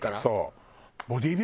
そう。